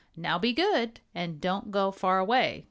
Now, be good and don't go far away!"